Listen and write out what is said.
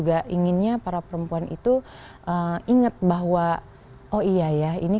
dan apa namanya dan menurut aku perempuan itu punya semangat itu jauh lebih tinggi menurut aku